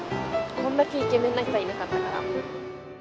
こんだけイケメンな人はいなかったから。